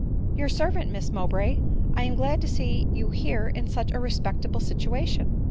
— your servant, Miss Mowbray, I am glad to see you here in such a respectable situation."